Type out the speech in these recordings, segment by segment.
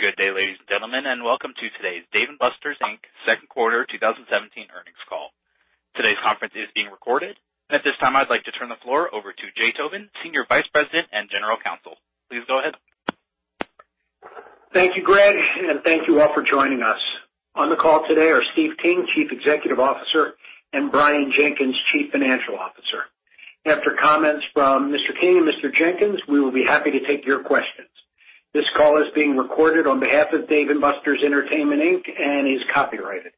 Good day, ladies and gentlemen, and welcome to today's Dave & Buster's Inc. second quarter 2017 earnings call. Today's conference is being recorded. At this time, I'd like to turn the floor over to Jay Tobin, Senior Vice President and General Counsel. Please go ahead. Thank you, Greg. Thank you all for joining us. On the call today are Steve King, Chief Executive Officer, and Brian Jenkins, Chief Financial Officer. After comments from Mr. King and Mr. Jenkins, we will be happy to take your questions. This call is being recorded on behalf of Dave & Buster's Entertainment Inc. and is copyrighted.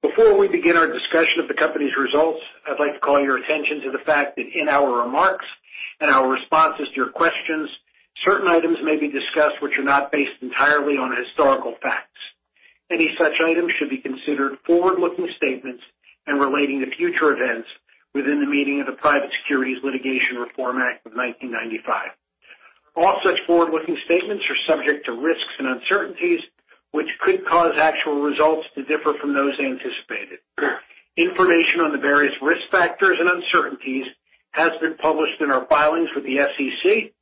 Before we begin our discussion of the company's results, I'd like to call your attention to the fact that in our remarks and our responses to your questions, certain items may be discussed which are not based entirely on historical facts. Any such items should be considered forward-looking statements and relating to future events within the meaning of the Private Securities Litigation Reform Act of 1995. All such forward-looking statements are subject to risks and uncertainties, which could cause actual results to differ from those anticipated. Information on the various risk factors and uncertainties has been published in our filings with the SEC,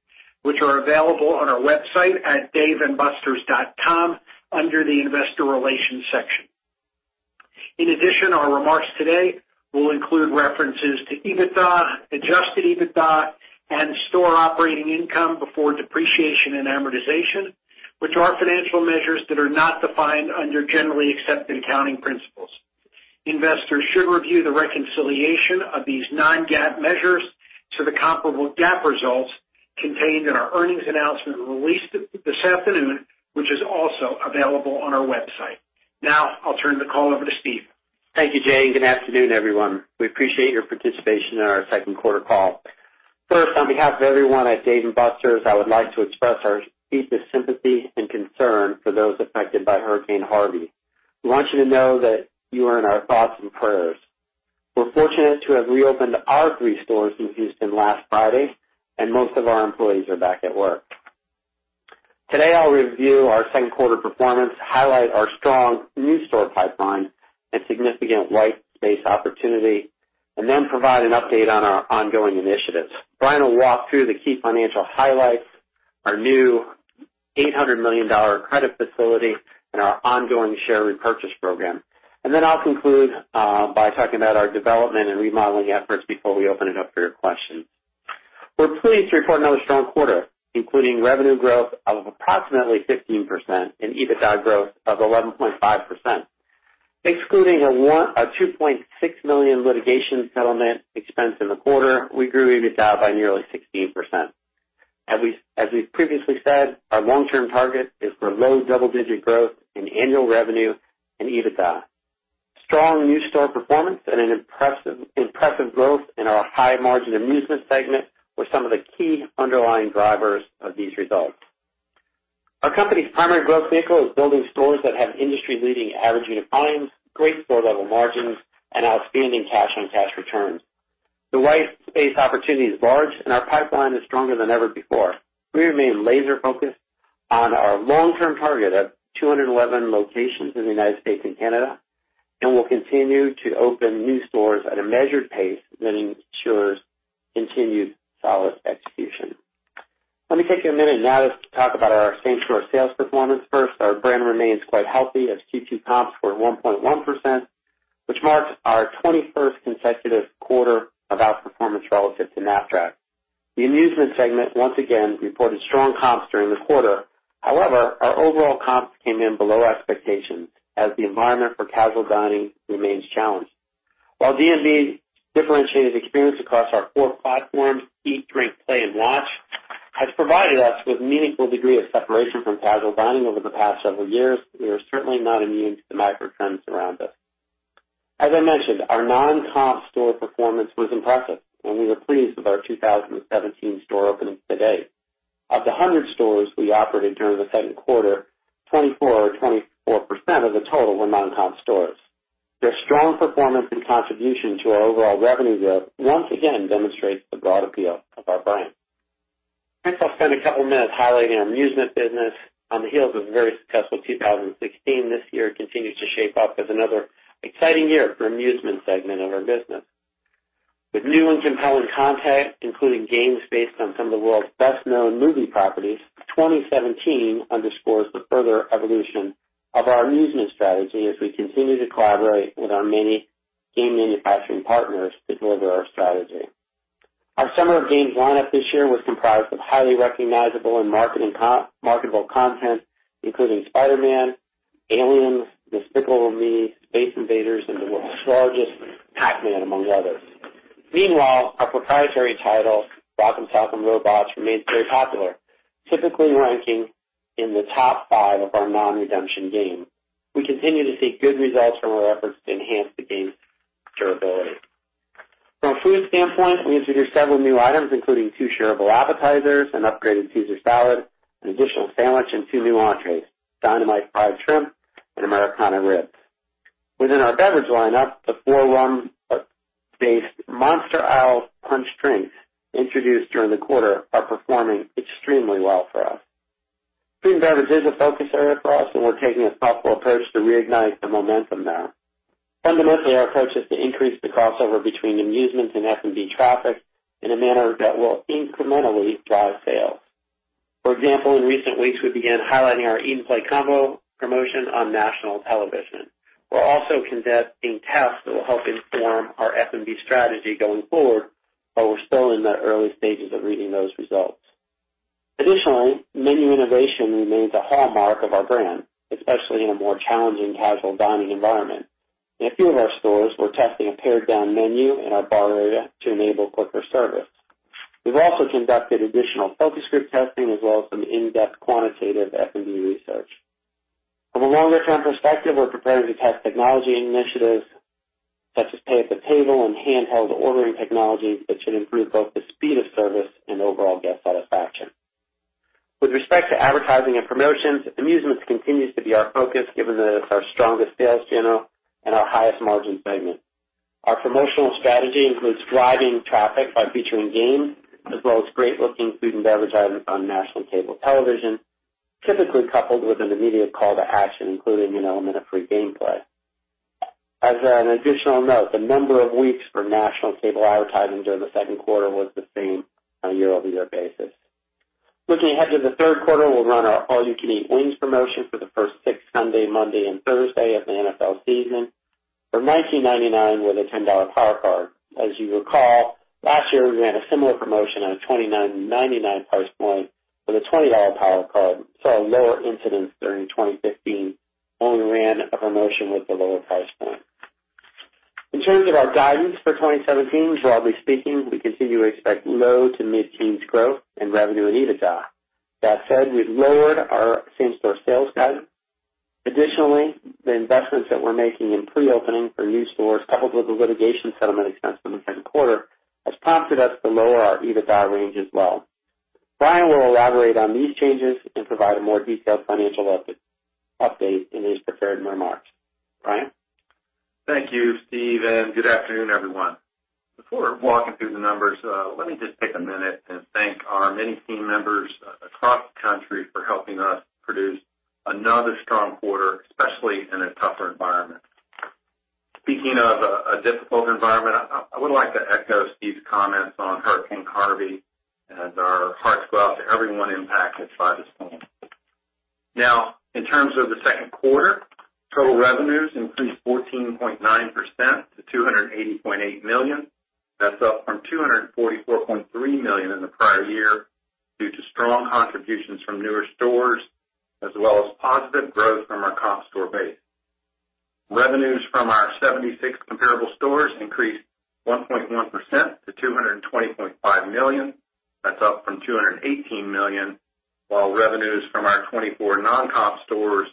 which are available on our website at daveandbusters.com under the investor relations section. In addition, our remarks today will include references to EBITDA, adjusted EBITDA, and store operating income before depreciation and amortization, which are financial measures that are not defined under generally accepted accounting principles. Investors should review the reconciliation of these non-GAAP measures to the comparable GAAP results contained in our earnings announcement released this afternoon, which is also available on our website. I'll turn the call over to Steve. Thank you, Jay. Good afternoon, everyone. We appreciate your participation in our second quarter call. First, on behalf of everyone at Dave & Buster's, I would like to express our deepest sympathy and concern for those affected by Hurricane Harvey. We want you to know that you are in our thoughts and prayers. We're fortunate to have reopened our 3 stores in Houston last Friday, and most of our employees are back at work. Today, I'll review our second quarter performance, highlight our strong new store pipeline and significant white space opportunity, then provide an update on our ongoing initiatives. Brian will walk through the key financial highlights, our new $800 million credit facility, and our ongoing share repurchase program. Then I'll conclude by talking about our development and remodeling efforts before we open it up for your questions. We're pleased to report another strong quarter, including revenue growth of approximately 15% and EBITDA growth of 11.5%. Excluding a $2.6 million litigation settlement expense in the quarter, we grew EBITDA by nearly 16%. As we previously said, our long-term target is for low double-digit growth in annual revenue and EBITDA. Strong new store performance and an impressive growth in our high-margin amusement segment were some of the key underlying drivers of these results. Our company's primary growth vehicle is building stores that have industry-leading average unit volumes, great store-level margins, and outstanding cash-on-cash returns. The white space opportunity is large, and our pipeline is stronger than ever before. We remain laser-focused on our long-term target of 211 locations in the United States and Canada, and we'll continue to open new stores at a measured pace that ensures continued solid execution. Let me take a minute now to talk about our same-store sales performance first. Our brand remains quite healthy as Q2 comps were 1.1%, which marks our 21st consecutive quarter of outperformance relative to Knapp-Track. The amusement segment once again reported strong comps during the quarter. Our overall comps came in below expectations as the environment for casual dining remains challenged. While D&B's differentiated experience across our 4 platforms, eat, drink, play, and watch, has provided us with a meaningful degree of separation from casual dining over the past several years, we are certainly not immune to the macro trends around us. As I mentioned, our non-comp store performance was impressive, and we were pleased with our 2017 store openings to date. Of the 100 stores we operated during the second quarter, 24 or 24% of the total were non-comp stores. Their strong performance and contribution to our overall revenue growth once again demonstrates the broad appeal of our brand. I'll spend a couple of minutes highlighting our amusement business. On the heels of a very successful 2016, this year continues to shape up as another exciting year for amusement segment of our business. With new and compelling content, including games based on some of the world's best-known movie properties, 2017 underscores the further evolution of our amusement strategy as we continue to collaborate with our many game manufacturing partners to deliver our strategy. Our summer games lineup this year was comprised of highly recognizable and marketable content, including "Spider-Man," "Aliens," "Despicable Me," "Space Invaders," and the world's largest "Pac-Man," among others. Our proprietary title, "Rock Em Robots," remains very popular, typically ranking in the top 5 of our non-redemption games. We continue to see good results from our efforts to enhance the game's durability. From a food standpoint, we introduced several new items, including 2 shareable appetizers, an upgraded Caesar salad, an additional sandwich, and 2 new entrees, dynamite fried shrimp and Americana ribs. Within our beverage lineup, the 4 rum-based Monster Isle punch drinks introduced during the quarter are performing extremely well for us. Premium beverage is a focus area for us, and we're taking a thoughtful approach to reignite the momentum there. Fundamentally, our approach is to increase the crossover between amusements and F&B traffic in a manner that will incrementally drive sales. For example, in recent weeks, we began highlighting our Eat & Play Combo promotion on national television. We're also conducting tests that will help inform our F&B strategy going forward, but we're still in the early stages of reading those results. Additionally, menu innovation remains a hallmark of our brand, especially in a more challenging casual dining environment. In a few of our stores, we're testing a pared-down menu in our bar area to enable quicker service. We've also conducted additional focus group testing, as well as some in-depth quantitative F&B research. From a longer-term perspective, we're preparing to test technology initiatives such as pay at the table and handheld ordering technologies that should improve both the speed of service and overall guest satisfaction. With respect to advertising and promotions, amusements continues to be our focus, given that it's our strongest sales channel and our highest margin segment. Our promotional strategy includes driving traffic by featuring games, as well as great looking food and beverage items on national cable television, typically coupled with an immediate call to action, including an element of free gameplay. As an additional note, the number of weeks for national cable advertising during the second quarter was the same on a year-over-year basis. Looking ahead to the third quarter, we'll run our All You Can Eat wings promotion for the first six Sunday, Monday, and Thursday of the NFL season for $19.99 with a $10 Power Card. As you recall, last year, we ran a similar promotion on a $29.99 price point with a $20 Power Card, saw a lower incidence during 2015, only ran a promotion with the lower price point. In terms of our guidance for 2017, broadly speaking, we continue to expect low to mid-teens growth in revenue and EBITDA. That said, we've lowered our same-store sales guidance. Additionally, the investments that we're making in pre-opening for new stores, coupled with the litigation settlement expense in the second quarter, has prompted us to lower our EBITDA range as well. Brian will elaborate on these changes and provide a more detailed financial update in his prepared remarks. Brian? Thank you, Steve, and good afternoon, everyone. Before walking through the numbers, let me just take a minute and thank our many team members across the country for helping us produce another strong quarter, especially in a tougher environment. Speaking of a difficult environment, I would like to echo Steve's comments on Hurricane Harvey, as our hearts go out to everyone impacted by the storm. In terms of the second quarter, total revenues increased 14.9% to $280.8 million. That's up from $244.3 million in the prior year, due to strong contributions from newer stores, as well as positive growth from our comp store base. Revenues from our 76 comparable stores increased 1.1% to $220.5 million. That's up from $218 million, while revenues from our 24 non-comp stores,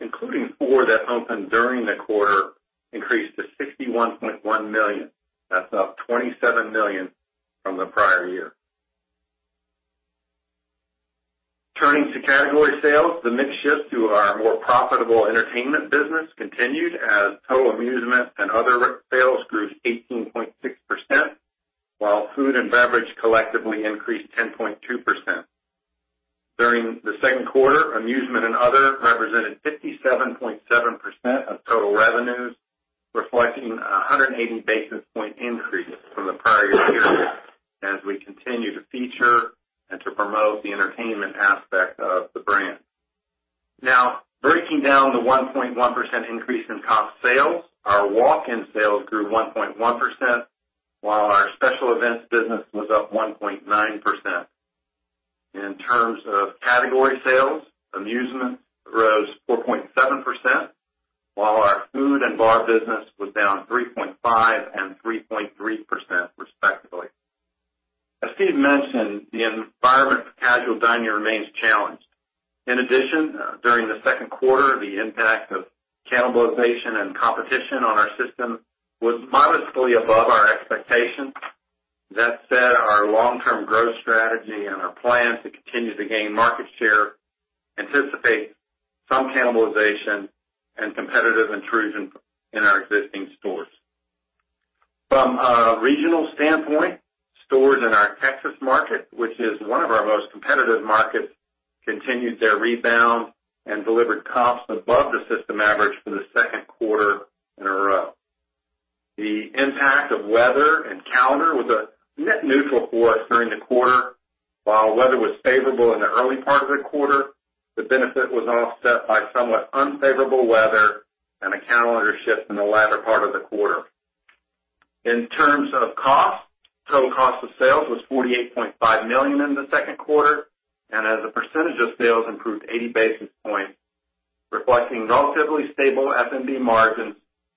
including four that opened during the quarter, increased to $61.1 million. That's up $27 million from the prior year. Turning to category sales, the mix shift to our more profitable entertainment business continued as total amusement and other sales grew 18.6%, while food and beverage collectively increased 10.2%. During the second quarter, amusement and other represented 57.7% of total revenues, reflecting 180 basis points increase from the prior year, as we continue to feature and to promote the entertainment aspect of the brand. Breaking down the 1.1% increase in comp sales, our walk-in sales grew 1.1%, while our special events business was up 1.9%. In terms of category sales, amusement rose 4.7%, while our food and bar business was down 3.5% and 3.3%, respectively. As Steve mentioned, the environment for casual dining remains challenged. In addition, during the second quarter, the impact of cannibalization and competition on our system was modestly above our expectations. That said, our long-term growth strategy and our plans to continue to gain market share anticipate some cannibalization and competitive intrusion in our existing stores. From a regional standpoint, stores in our Texas market, which is one of our most competitive markets, continued their rebound and delivered comps above the system average for the second quarter in a row. The impact of weather and calendar was a net neutral for us during the quarter. While weather was favorable in the early part of the quarter, the benefit was offset by somewhat unfavorable weather and a calendar shift in the latter part of the quarter. In terms of cost, total cost of sales was $48.5 million in the second quarter, and as a percentage of sales improved 80 basis points, reflecting relatively stable F&B margins,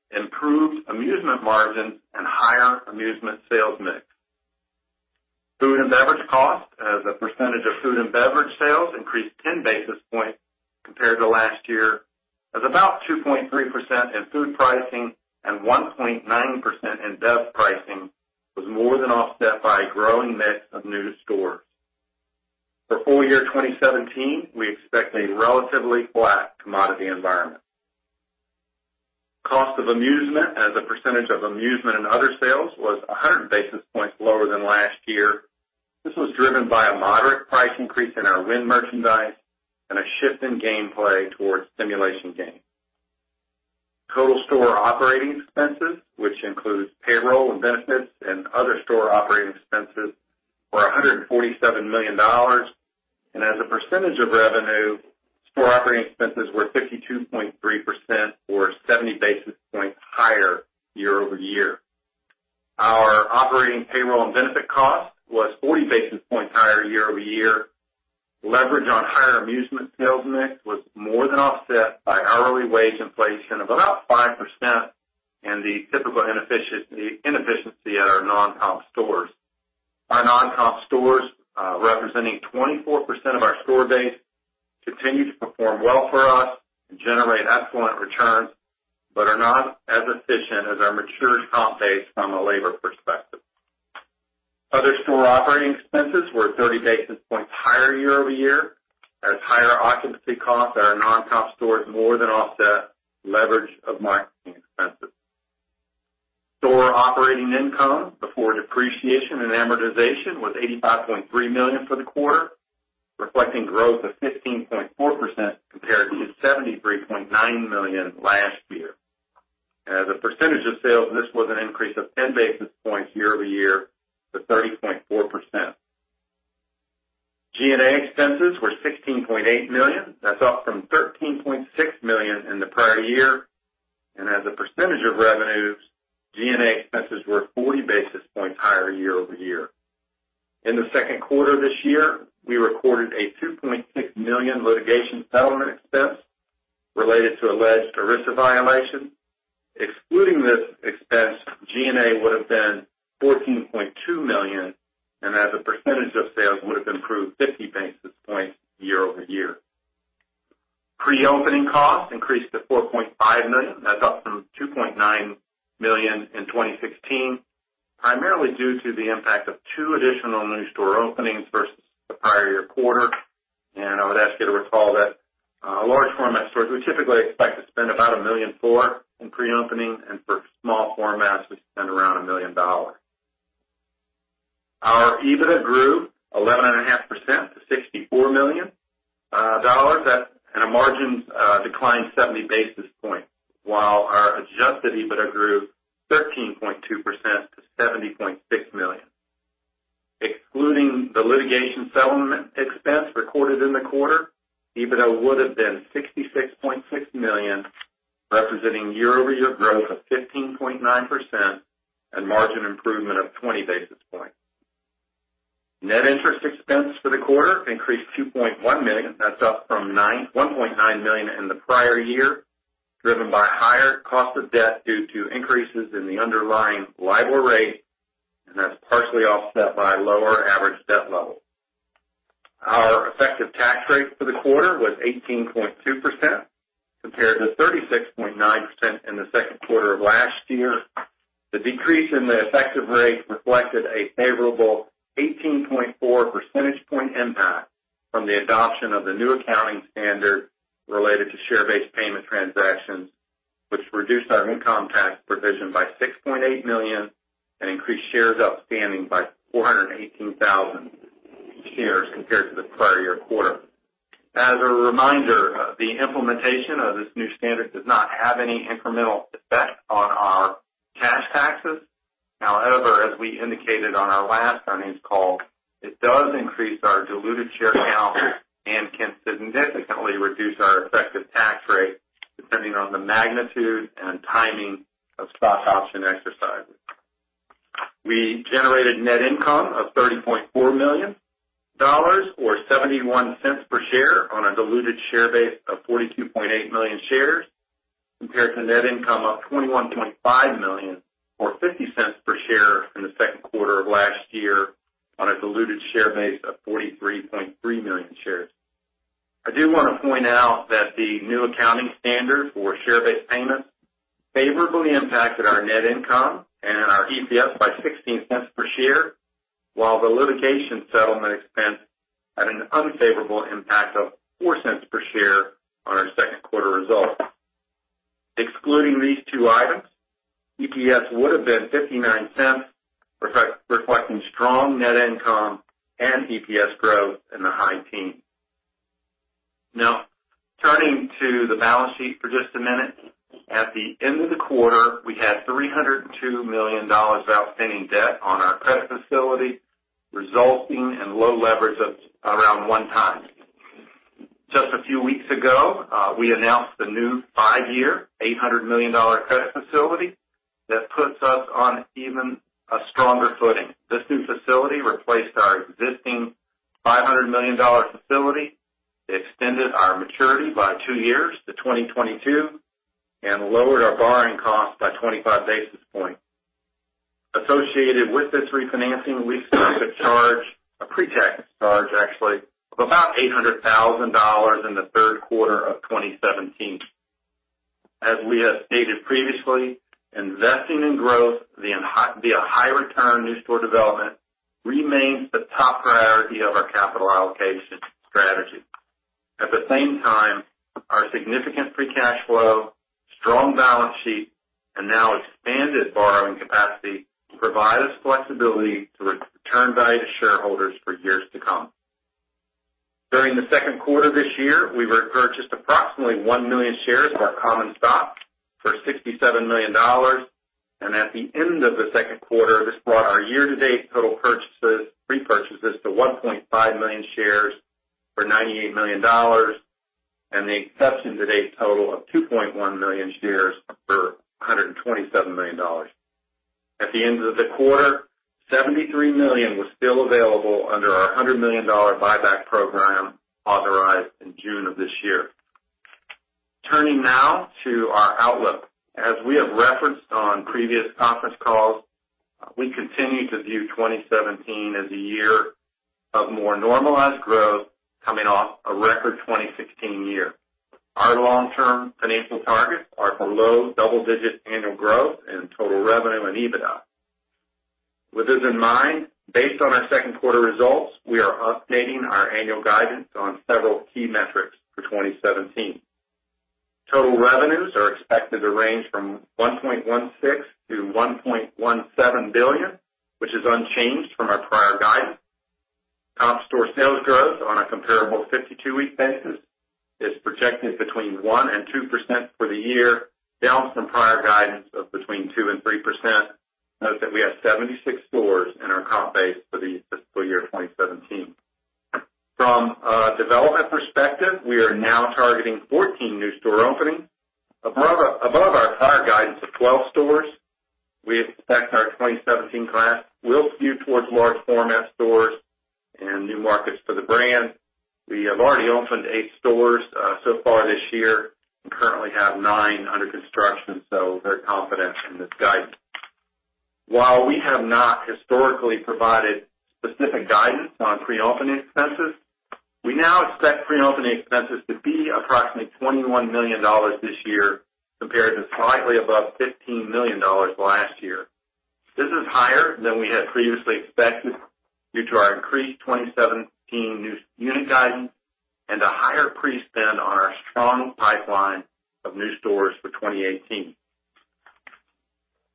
improved amusement margins, and higher amusement sales mix. Food and beverage cost as a percentage of food and beverage sales increased 10 basis points compared to last year of about 2.3% in food pricing and 1.9% in bev pricing, was more than offset by a growing mix of new stores. For full year 2017, we expect a relatively flat commodity environment. Cost of amusement as a percentage of amusement in other sales was 100 basis points lower than last year. This was driven by a moderate price increase in our win merchandise and a shift in gameplay towards simulation games. Total store operating expenses, which includes payroll and benefits and other store operating expenses, were $147 million. As a percentage of revenue, store operating expenses were 52.3% or 70 basis points higher year-over-year. Our operating payroll and benefit cost was 40 basis points higher year-over-year. Leverage on higher amusement sales mix was more than offset by hourly wage inflation of about 5% and the typical inefficiency at our non-comp stores. Our non-comp stores, representing 24% of our store base, continue to perform well for us and generate excellent returns, but are not as efficient as our mature comp base from a labor perspective. Other store operating expenses were 30 basis points higher year-over-year, as higher occupancy costs at our non-comp stores more than offset leverage of marketing expenses. Store operating income before depreciation and amortization was $85.3 million for the quarter, reflecting growth of 15.4% compared to $73.9 million last year. As a percentage of sales, this was an increase of 10 basis points year-over-year to 30.4%. G&A expenses were $16.8 million. That's up from $13.6 million in the prior year. As a percentage of revenues, G&A expenses were 40 basis points higher year-over-year. In the second quarter this year, we recorded a $2.6 million litigation settlement expense related to alleged ERISA violations. Excluding this expense, G&A would've been $14.2 million, and as a percentage of sales, would've improved 50 basis points year-over-year. Pre-opening costs increased to $4.5 million. That's up from $2.9 million in 2016, primarily due to the impact of two additional new store openings versus the prior year quarter. I would ask you to recall that large format stores, we typically expect to spend about $1.4 million in pre-opening, and for small formats, we spend around $1 million. Our EBITDA grew 11.5% to $64 million, and our margins declined 70 basis points, while our adjusted EBITDA grew 13.2% to $70.6 million. Excluding the litigation settlement expense recorded in the quarter, EBITDA would've been $66.6 million, representing year-over-year growth of 15.9% and margin improvement of 20 basis points. Net interest expense for the quarter increased $2.1 million. That's up from $1.9 million in the prior year, driven by higher cost of debt due to increases in the underlying LIBOR rate, and that's partially offset by lower average debt level. Our effective tax rate for the quarter was 18.2% compared to 36.9% in the second quarter of last year. The decrease in the effective rate reflected a favorable 18.4 percentage point impact from the adoption of the new accounting standard related to share-based payment transactions, which reduced our income tax provision by $6.8 million and increased shares outstanding by 418,000 shares compared to the prior year quarter. As a reminder, the implementation of this new standard does not have any incremental effect on our cash taxes. However, as we indicated on our last earnings call, it does increase our diluted share count and can significantly reduce our effective tax rate, depending on the magnitude and timing of stock option exercises. We generated net income of $30.4 million or $0.71 per share on a diluted share base of 42.8 million shares, compared to net income of $21.5 million or $0.50 per share in the second quarter of last year on a diluted share base of 43.3 million shares. I do want to point out that the new accounting standard for share-based payments favorably impacted our net income and our EPS by $0.16 per share, while the litigation settlement expense had an unfavorable impact of $0.04 per share on our second quarter results. Excluding these two items, EPS would've been $0.59, reflecting strong net income and EPS growth in the high teens. Turning to the balance sheet for just a minute. At the end of the quarter, we had $302 million of outstanding debt on our credit facility, resulting in low leverage of around one time. Just a few weeks ago, we announced a new five-year, $800 million credit facility that puts us on even a stronger footing. This new facility replaced our existing $500 million facility. It extended our maturity by two years to 2022 and lowered our borrowing cost by 25 basis points. Associated with this refinancing, we expect a charge, a pre-tax charge actually, of about $800,000 in the third quarter of 2017. We have stated previously, investing in growth via high return new store development remains the top priority of our capital allocation strategy. At the same time, our significant free cash flow, strong balance sheet, and now expanded borrowing capacity provide us flexibility to return value to shareholders for years to come. During the second quarter this year, we repurchased approximately 1 million shares of our common stock for $67 million. At the end of the second quarter, this brought our year-to-date total purchases, repurchases to 1.5 million shares for $98 million, and the inception to date total of 2.1 million shares for $127 million. At the end of the quarter, $73 million was still available under our $100 million buyback program authorized in June of this year. Turning now to our outlook. As we have referenced on previous conference calls, we continue to view 2017 as a year of more normalized growth coming off a record 2016 year. Our long-term financial targets are for low double-digit annual growth in total revenue and EBITDA. With this in mind, based on our second quarter results, we are updating our annual guidance on several key metrics for 2017. Total revenues are expected to range from $1.16 billion to $1.17 billion, which is unchanged from our prior guidance. Comp store sales growth on a comparable 52-week basis is projected between 1% and 2% for the year, down from prior guidance of between 2% and 3%. Note that we have 76 stores in our comp base for the fiscal year 2017. From a development perspective, we are now targeting 14 new store openings above our prior guidance of 12 stores. We expect our 2017 class will skew towards large format stores and new markets for the brand. We have already opened eight stores so far this year and currently have nine under construction, we're confident in this guidance. While we have not historically provided specific guidance on pre-opening expenses, we now expect pre-opening expenses to be approximately $21 million this year, compared to slightly above $15 million last year. This is higher than we had previously expected due to our increased 2017 new unit guidance and a higher pre-spend on our strong pipeline of new stores for 2018.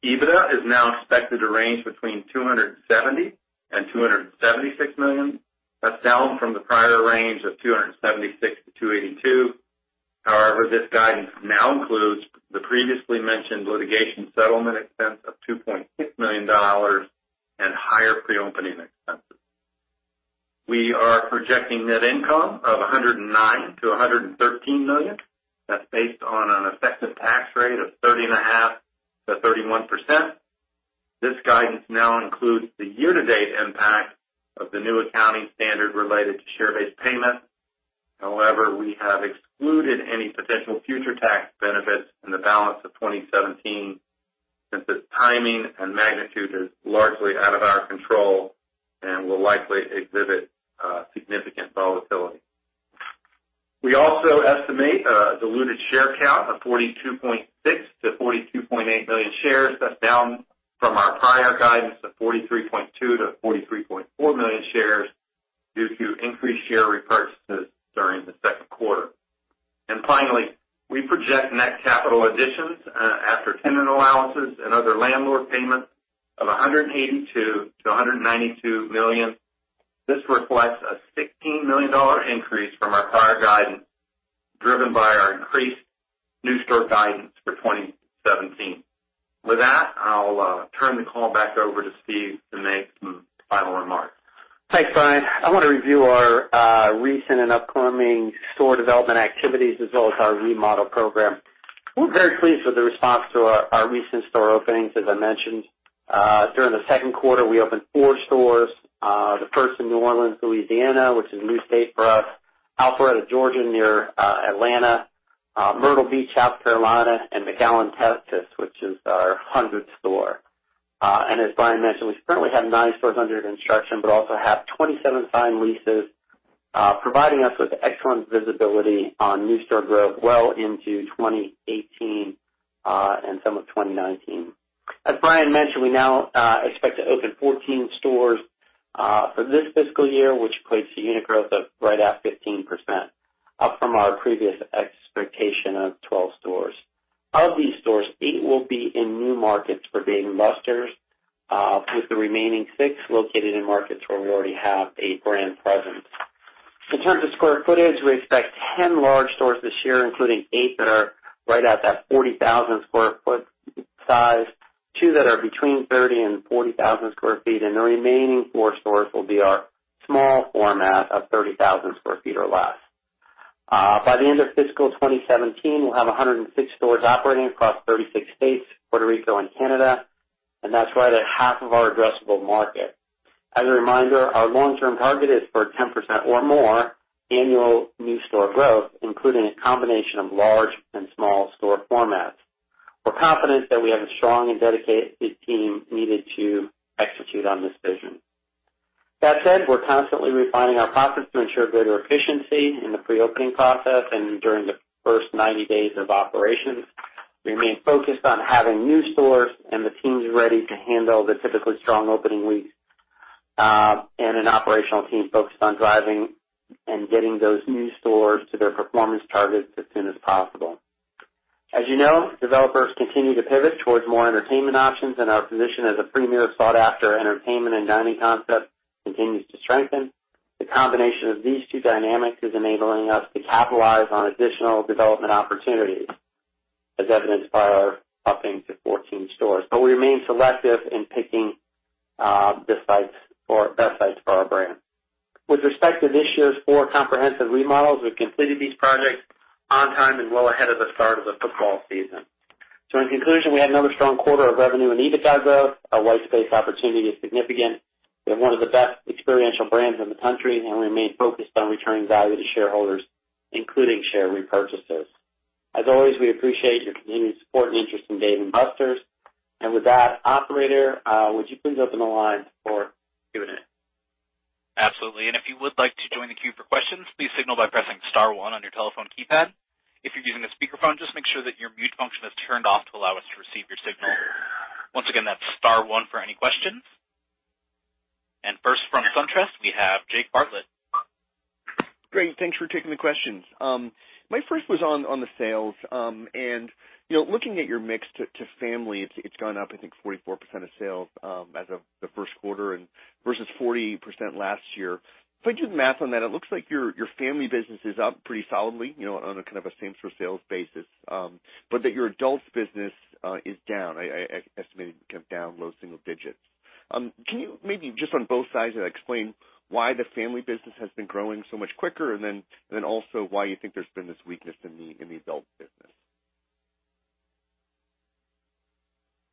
EBITDA is now expected to range between $270 million and $276 million. That's down from the prior range of $276 million to $282 million. However, this guidance now includes the previously mentioned litigation settlement expense of $2.6 million and higher pre-opening expenses. We are projecting net income of $109 million to $113 million. That's based on an effective tax rate of 30.5%-31%. This guidance now includes the year-to-date impact of the new accounting standard related to share-based payments. However, we have excluded any potential future tax benefits in the balance of 2017, since its timing and magnitude is largely out of our control and will likely exhibit significant volatility. We also estimate a diluted share count of 42.6 million to 42.8 million shares. That's down from our prior guidance of 43.2 million to 43.4 million shares due to increased share repurchases during the second quarter. Finally, we project net capital additions, after tenant allowances and other landlord payments of $182 million to $192 million. This reflects a $16 million increase from our prior guidance, driven by our increased new store guidance for 2017. With that, I'll turn the call back over to Steve to make some final remarks. Thanks, Brian. I want to review our recent and upcoming store development activities as well as our remodel program. We're very pleased with the response to our recent store openings. As I mentioned, during Q2, we opened 4 stores. The first in New Orleans, Louisiana, which is a new state for us, Alpharetta, Georgia, near Atlanta, Myrtle Beach, South Carolina, and McAllen, Texas, which is our 100th store. As Brian mentioned, we currently have 9 stores under construction, but also have 27 signed leases, providing us with excellent visibility on new store growth well into 2018, and some of 2019. As Brian mentioned, we now expect to open 14 stores for this fiscal year, which equates to unit growth of right at 15%, up from our previous expectation of 12 stores. Of these stores, 8 will be in new markets for Dave & Buster's, with the remaining 6 located in markets where we already have a brand presence. In terms of square footage, we expect 10 large stores this year, including 8 that are right at that 40,000 sq ft size, 2 that are between 30,000 and 40,000 sq ft, and the remaining 4 stores will be our small format of 30,000 sq ft or less. By the end of fiscal 2017, we'll have 106 stores operating across 36 states, Puerto Rico, and Canada, and that's right at half of our addressable market. As a reminder, our long term target is for 10% or more annual new store growth, including a combination of large and small store formats. We're confident that we have a strong and dedicated team needed to execute on this vision. That said, we're constantly refining our process to ensure greater efficiency in the pre-opening process and during the first 90 days of operations. We remain focused on having new stores and the teams ready to handle the typically strong opening weeks. An operational team focused on driving and getting those new stores to their performance targets as soon as possible. As you know, developers continue to pivot towards more entertainment options, and our position as a premier sought-after entertainment and dining concept continues to strengthen. The combination of these two dynamics is enabling us to capitalize on additional development opportunities, as evidenced by our upping to 14 stores. We remain selective in picking best sites for our brand. With respect to this year's 4 comprehensive remodels, we've completed these projects on time and well ahead of the start of the football season. In conclusion, we had another strong quarter of revenue and EBITDA growth. Our white space opportunity is significant. We have one of the best experiential brands in the country, and we remain focused on returning value to shareholders, including share repurchases. As always, we appreciate your continued support and interest in Dave & Buster's. With that, operator, would you please open the line for Q&A? Absolutely. If you would like to join the queue for questions, please signal by pressing *1 on your telephone keypad. If you're using a speakerphone, just make sure that your mute function is turned off to allow us to receive your signal. Once again, that's *1 for any questions. First from SunTrust, we have Jake Bartlett. Great. Thanks for taking the questions. My first was on the sales. Looking at your mix to family, it's gone up, I think, 44% of sales as of the first quarter versus 40% last year. If I do the math on that, it looks like your family business is up pretty solidly on a kind of same-store sales basis but that your adults business is down. I estimated down low single digits. Can you maybe, just on both sides, explain why the family business has been growing so much quicker and then also why you think there's been this weakness in the adult business?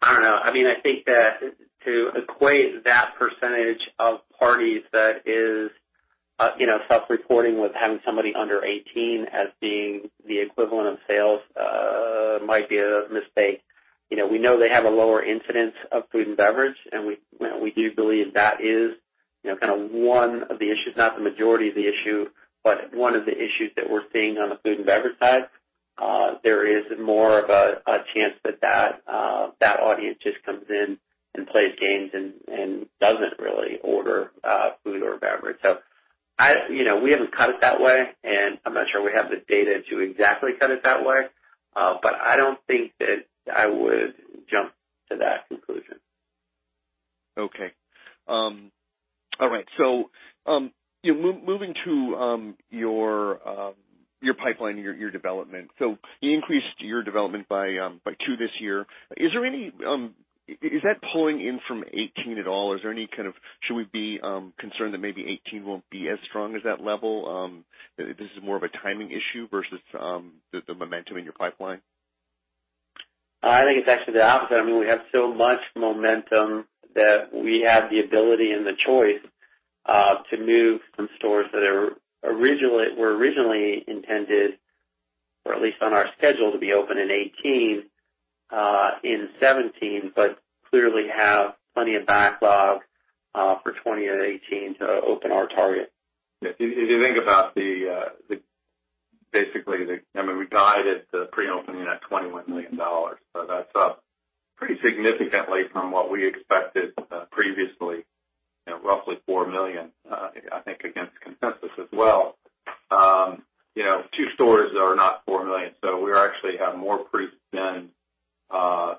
I don't know. I think that to equate that percentage of parties that is self-reporting with having somebody under 18 as being the equivalent of sales might be a mistake. We know they have a lower incidence of food and beverage, and we do believe that is kind of one of the issues, not the majority of the issue, but one of the issues that we're seeing on the food and beverage side. There is more of a chance that that audience just comes in and plays games and doesn't really order food or beverage. We haven't cut it that way, and I'm not sure we have the data to exactly cut it that way. I don't think that I would jump to that conclusion. Okay. All right. Moving to your pipeline, your development. You increased your development by two this year. Is that pulling in from 2018 at all? Should we be concerned that maybe 2018 won't be as strong as that level? This is more of a timing issue versus the momentum in your pipeline? I think it's actually the opposite. We have so much momentum that we have the ability and the choice to move some stores that were originally intended, or at least on our schedule, to be open in 2018, in 2017. Clearly have plenty of backlog for 2018 to open our target. We guided the pre-opening at $21 million. That's up pretty significantly from what we expected previously, roughly $4 million, I think, against consensus as well. Two stores are not $4 million. We actually have more pre than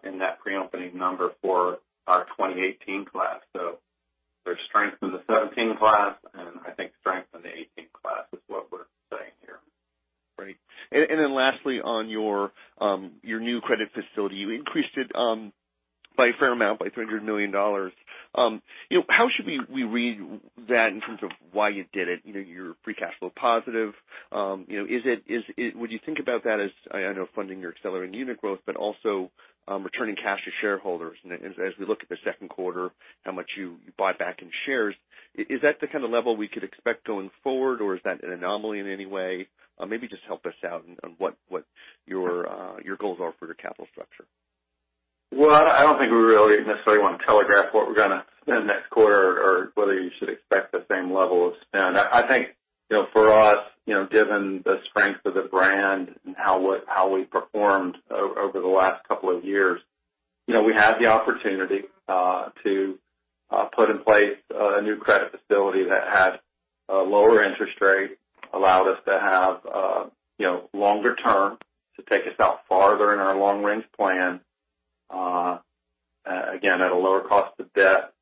in that pre-opening number for our 2018 class. There's strength in the 2017 class and I think strength in the 2018 class is what we're saying here. Great. Lastly, on your new credit facility, you increased it by a fair amount, by $300 million. How should we read that in terms of why you did it? You're free cash flow positive. Would you think about that as, I know, funding your accelerating unit growth, but also returning cash to shareholders? As we look at the second quarter, how much you bought back in shares, is that the kind of level we could expect going forward, or is that an anomaly in any way? Maybe just help us out on what your goals are for your capital structure. I don't think we really necessarily want to telegraph what we're going to spend next quarter or whether you should expect the same level of spend. I think for us, given the strength of the brand and how we've performed over the last couple of years, we have the opportunity to put in place a new credit facility that had a lower interest rate, allowed us to have longer term to take us out farther in our long range plan. Again, at a lower cost of debt,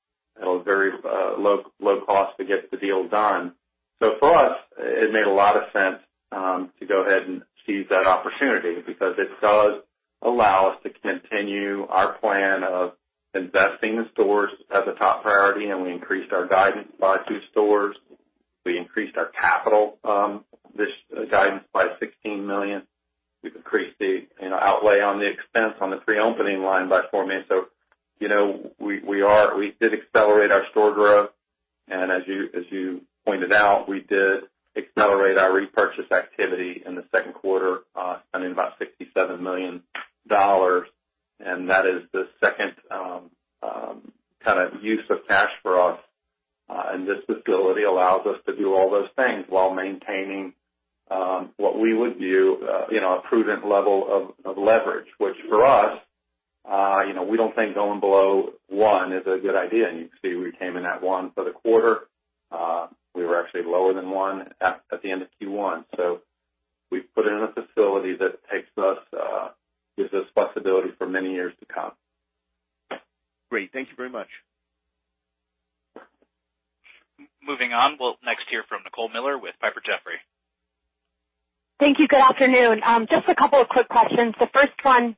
at a very low cost to get the deal done. For us, it made a lot of sense to go ahead and seize that opportunity because it does allow us to continue our plan of investing in stores as a top priority, and we increased our guidance by two stores. We increased our capital guidance by $16 million. We've increased the outlay on the expense on the pre-opening line by $4 million. We did accelerate our store growth. As you pointed out, we did accelerate our repurchase activity in the second quarter, spending about $67 million. That is the second kind of use of cash for us. This facility allows us to do all those things while maintaining what we would view a prudent level of leverage, which for us. We don't think going below 1 is a good idea, and you can see we came in at 1 for the quarter. We were actually lower than 1 at the end of Q1. We've put in a facility that gives us flexibility for many years to come. Great. Thank you very much. Moving on. We'll next hear from Nicole Miller with Piper Jaffray. Thank you. Good afternoon. Just a couple of quick questions. The first one,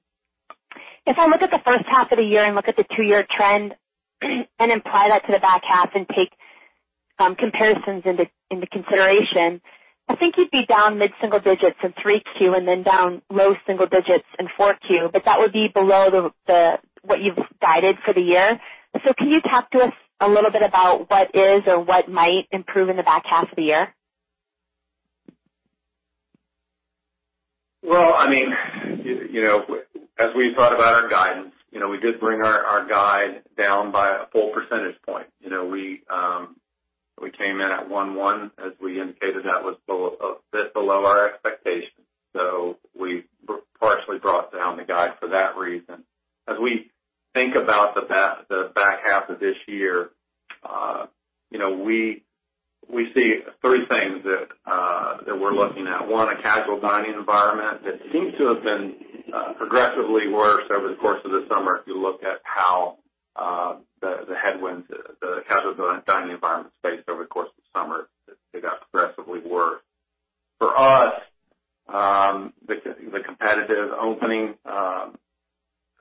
if I look at the first half of the year and look at the two-year trend and imply that to the back half and take some comparisons into consideration, I think you'd be down mid-single digits in 3Q and then down low single digits in 4Q. That would be below what you've guided for the year. Can you talk to us a little bit about what is or what might improve in the back half of the year? Well, as we thought about our guidance, we did bring our guide down by a full percentage point. We came in at one-one, as we indicated, that was a bit below our expectations. We partially brought down the guide for that reason. As we think about the back half of this year, we see three things that we're looking at. One, a casual dining environment that seems to have been progressively worse over the course of the summer, if you look at how the casual dining environment space over the course of the summer, it got progressively worse. For us, the competitive opening,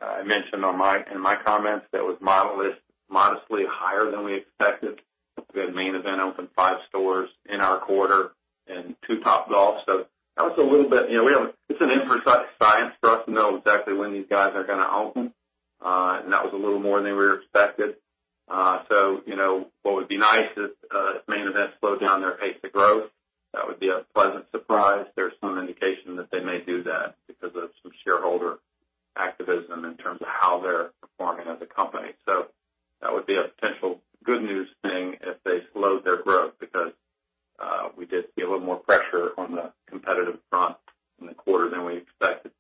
I mentioned in my comments, that was modestly higher than we expected. Main Event opened five stores in our quarter and two Topgolf. It's an imprecise science for us to know exactly when these guys are going to open. That was a little more than we expected. What would be nice is if Main Event slowed down their pace of growth. That would be a pleasant surprise. There's some indication that they may do that because of some shareholder activism in terms of how they're performing as a company. That would be a potential good news thing if they slowed their growth because we did see a little more pressure on the competitive front in the quarter than we expected.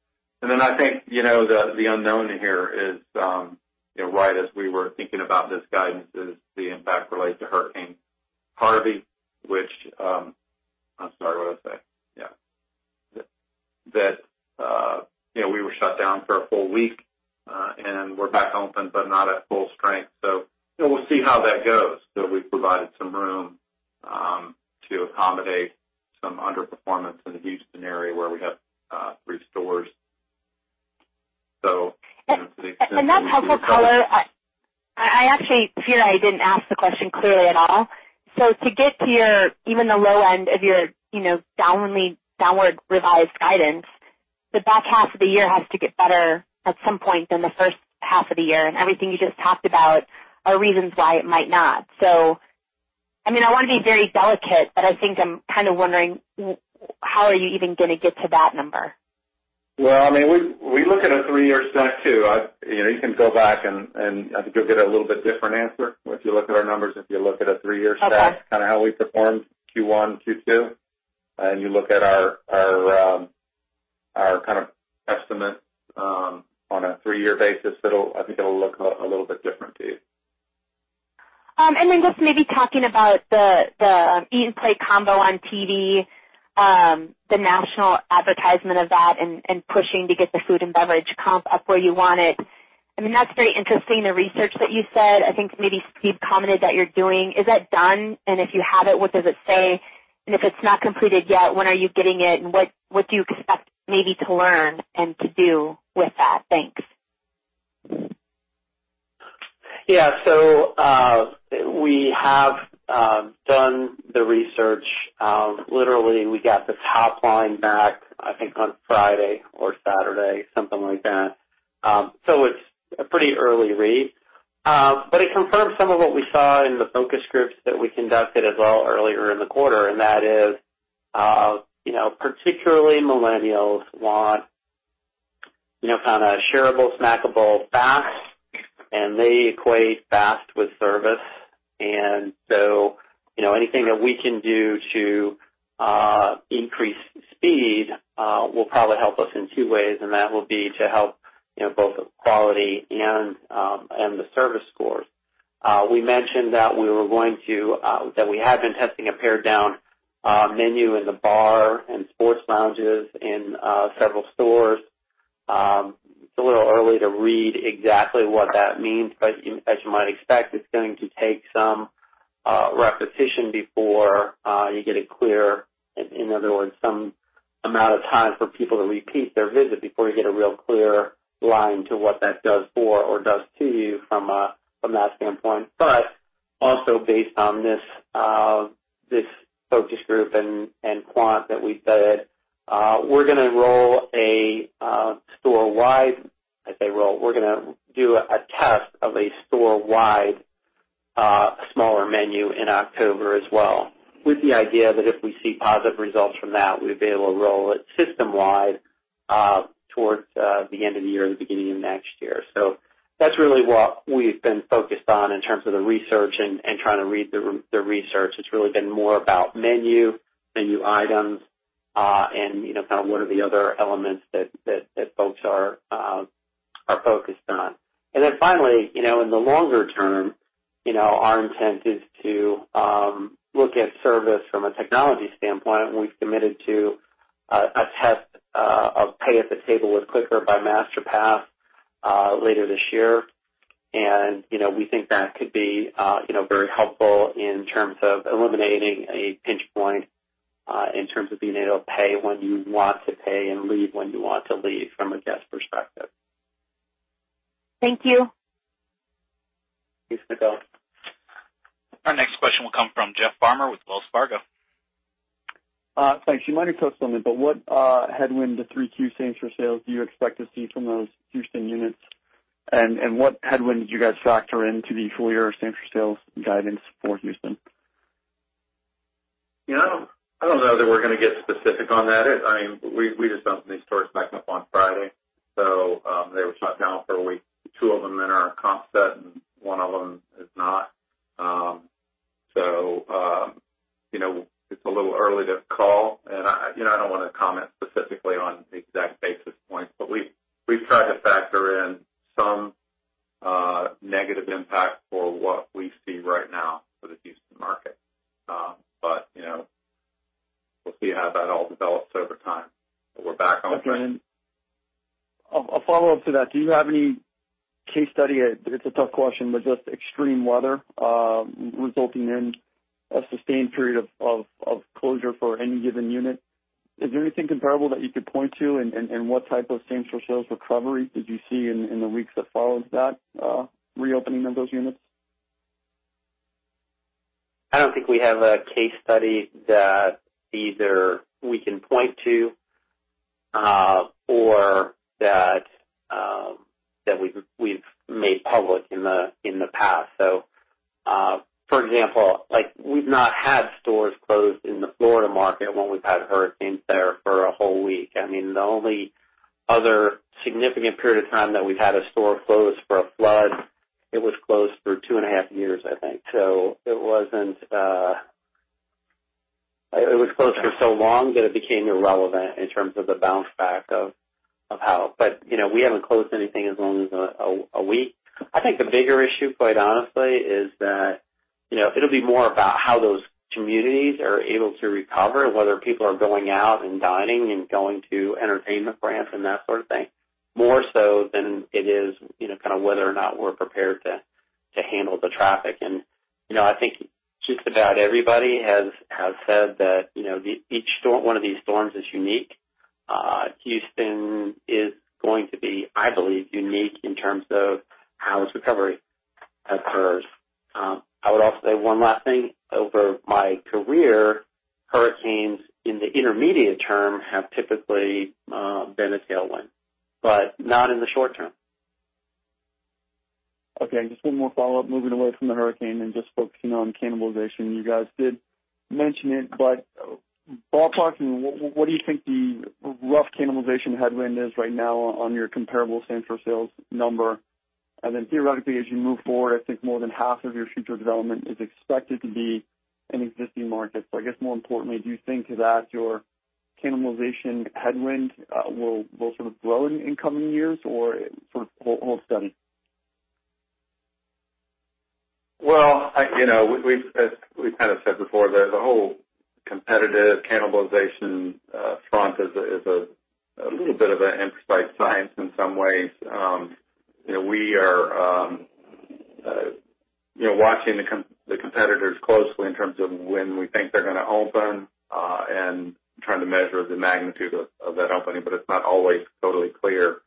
I think, the unknown here is, right as we were thinking about this guidance, is the impact related to Hurricane Harvey. We were shut down for a full week, and we're back open, but not at full strength. We'll see how that goes. We've provided some room to accommodate some underperformance in the Houston area where we have three stores. I actually fear I didn't ask the question clearly at all. To get to even the low end of your downward revised guidance, the back half of the year has to get better at some point than the first half of the year, and everything you just talked about are reasons why it might not. I want to be very delicate, but I think I'm kind of wondering how are you even going to get to that number? Well, we look at a three-year stack too. You can go back, and I think you'll get a little bit different answer if you look at our numbers, if you look at a three-year stack. Okay kind of how we performed Q1, Q2, and you look at our kind of estimate on a three-year basis, I think it'll look a little bit different to you. Just maybe talking about the Eat & Play Combo on TV, the national advertisement of that, and pushing to get the food and beverage comp up where you want it. That's very interesting, the research that you said, I think maybe Steve commented that you're doing. Is that done? If you have it, what does it say? If it's not completed yet, when are you getting it, and what do you expect maybe to learn and to do with that? Thanks. Yeah. We have done the research. Literally, we got the top line back, I think, on Friday or Saturday, something like that. It's a pretty early read. It confirms some of what we saw in the focus groups that we conducted as well earlier in the quarter, that is, particularly millennials want kind of shareable, snackable, fast, and they equate fast with service. Anything that we can do to increase speed will probably help us in two ways, that will be to help both the quality and the service scores. We mentioned that we have been testing a pared-down menu in the bar and sports lounges in several stores. It's a little early to read exactly what that means, but as you might expect, it's going to take some repetition before you get a clear, in other words, some amount of time for people to repeat their visit before you get a real clear line to what that does for or does to you from that standpoint. Also based on this focus group and quant that we did, we're going to roll a store-wide, I say roll, we're going to do a test of a store-wide smaller menu in October as well, with the idea that if we see positive results from that, we'll be able to roll it system-wide towards the end of the year or the beginning of next year. That's really what we've been focused on in terms of the research and trying to read the research. It's really been more about menu items, and kind of what are the other elements that folks are focused on. Finally, in the longer term, our intent is to look at service from a technology standpoint, and we've committed to a test of pay at the table with Qkr! by Masterpass later this year. We think that could be very helpful in terms of eliminating a pinch point in terms of being able to pay when you want to pay and leave when you want to leave from a guest perspective. Thank you. Thanks, Nicole. Our next question will come from Jeff Farmer with Wells Fargo. Thanks. What headwind to 3Q same-store sales do you expect to see from those Houston units? What headwind did you guys factor into the full year same-store sales guidance for Houston? I don't know that we're going to get specific on that. We just opened these stores back up on Friday, they were shut down for a week. Two of them in our comp set, and one of them is not. It's a little early to call, and I don't want to comment specifically on the exact basis points, we've tried to factor in some negative impact for what we see right now for the Houston market. We'll see how that all develops over time. We're back on track. A follow-up to that, do you have any case study? It's a tough question, just extreme weather resulting in a sustained period of closure for any given unit. Is there anything comparable that you could point to, and what type of same-store sales recovery did you see in the weeks that followed that reopening of those units? I don't think we have a case study that either we can point to or that we've made public in the past. For example, we've not had stores closed in the Florida market when we've had hurricanes there for a whole week. The only other significant period of time that we've had a store closed for a flood, it was closed for two and a half years, I think. It was closed for so long that it became irrelevant in terms of the bounce back of how. We haven't closed anything as long as a week. I think the bigger issue, quite honestly, is that it'll be more about how those communities are able to recover, whether people are going out and dining and going to entertainment brands and that sort of thing, more so than it is kind of whether or not we're prepared to handle the traffic. I think just about everybody has said that each one of these storms is unique. Houston is going to be, I believe, unique in terms of how its recovery occurs. I would also say one last thing. Over my career, hurricanes in the intermediate term have typically been a tailwind, but not in the short term. Okay, just one more follow-up, moving away from the hurricane and just focusing on cannibalization. You guys did mention it, ballparking, what do you think the rough cannibalization headwind is right now on your comparable same-store sales number? Theoretically, as you move forward, I think more than half of your future development is expected to be an existing market. I guess more importantly, do you think that your cannibalization headwind will sort of grow in coming years or hold steady? As we kind of said before, the whole competitive cannibalization front is a little bit of an imprecise science in some ways. We are watching the competitors closely in terms of when we think they're going to open and trying to measure the magnitude of that opening, it's not always totally clear.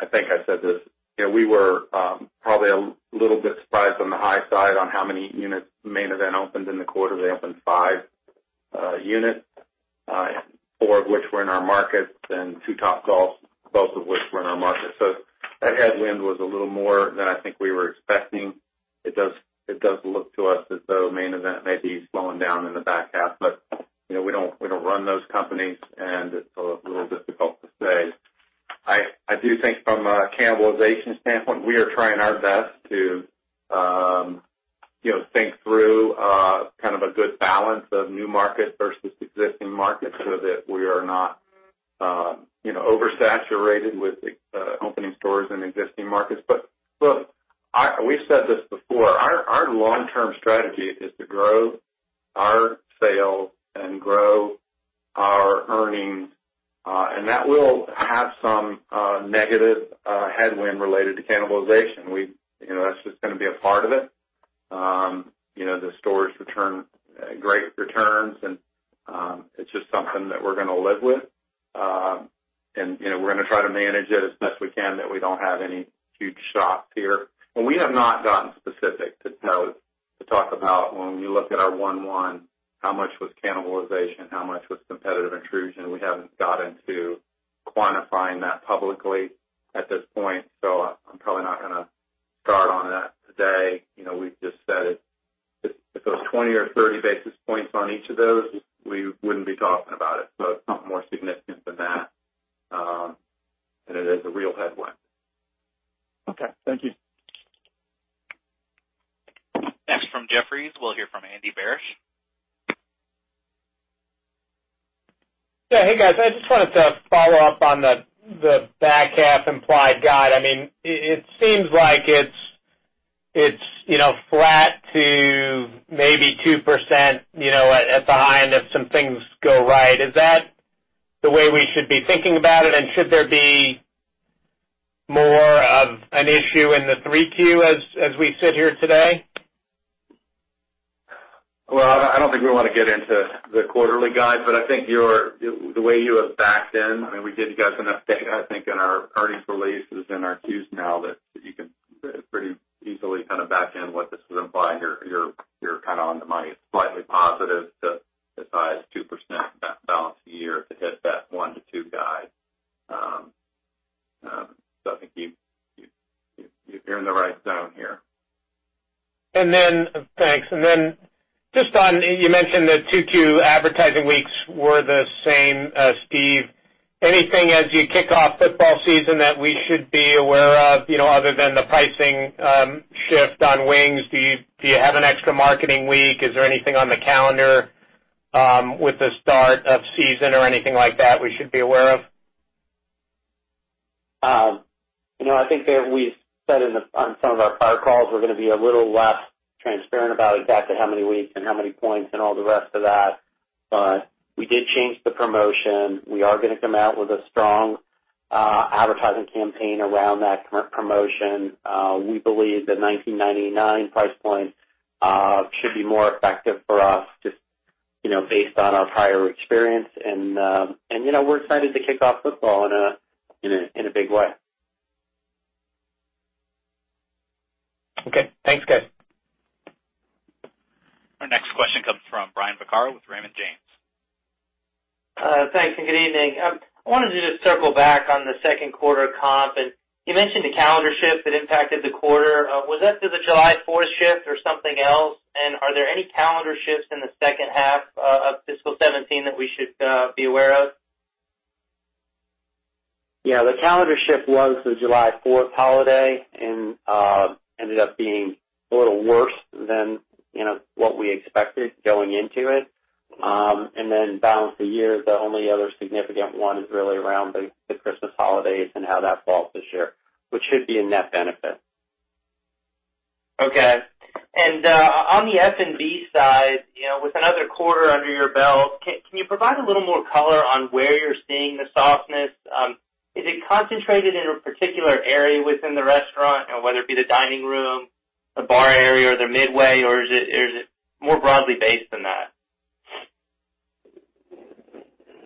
I think I said this. We were probably a little bit surprised on the high side on how many units Main Event opened in the quarter. They opened five units, four of which were in our market, and two Topgolfs, both of which were in our market. That headwind was a little more than I think we were expecting. It does look to us as though Main Event may be slowing down in the back half, we don't run those companies, and it's a little difficult to say. I do think from a cannibalization standpoint, we are trying our best to think through kind of a good balance of new markets versus existing markets so that we are not oversaturated with opening stores in existing markets. Look, we've said this before, our long-term strategy is to grow our sales and grow our earnings, that will have some negative headwind related to cannibalization. That's just going to be a part of it. The stores return great returns, it's just something that we're going to live with. We're going to try to manage it as best we can that we don't have any huge shocks here. We have not gotten specific to talk about when we look at our one-one, how much was cannibalization, how much was competitive intrusion. We haven't gotten to quantifying that publicly at this point, I'm probably not going to- Today, we've just said if it was 20 or 30 basis points on each of those, we wouldn't be talking about it. It's something more significant than that, it is a real headwind. Okay. Thank you. Next from Jefferies, we'll hear from Andy Barish. Yeah. Hey, guys. I just wanted to follow up on the back half implied guide. It seems like it's flat to maybe 2% at the high end if some things go right. Is that the way we should be thinking about it? Should there be more of an issue in the Q3 as we sit here today? Well, I don't think we want to get into the quarterly guide, but I think the way you have backed in, we gave you guys an update, I think, in our earnings releases and our Qs now that you can pretty easily back in what this would imply. You're kind of on the money. It's slightly positive to the size 2% balance the year to hit that 1%-2% guide. I think you're in the right zone here. Thanks. Then just on, you mentioned that Q2 advertising weeks were the same, Steve. Anything as you kick off football season that we should be aware of, other than the pricing shift on wings? Do you have an extra marketing week? Is there anything on the calendar with the start of season or anything like that we should be aware of? I think that we've said on some of our prior calls, we're going to be a little less transparent about exactly how many weeks and how many points and all the rest of that. We did change the promotion. We are going to come out with a strong advertising campaign around that promotion. We believe the $19.99 price point should be more effective for us just based on our prior experience. We're excited to kick off football in a big way. Okay. Thanks, guys. Our next question comes from Brian Vaccaro with Raymond James. Thanks, and good evening. I wanted to just circle back on the second quarter comp. You mentioned the calendar shift that impacted the quarter. Was that the July 4th shift or something else? Are there any calendar shifts in the second half of fiscal 2017 that we should be aware of? Yeah. The calendar shift was the July 4th holiday and ended up being a little worse than what we expected going into it. Balance of the year, the only other significant one is really around the Christmas holidays and how that falls this year, which should be a net benefit. Okay. On the F&B side, with another quarter under your belt, can you provide a little more color on where you're seeing the softness? Is it concentrated in a particular area within the restaurant, whether it be the dining room, the bar area, or the midway, or is it more broadly based than that?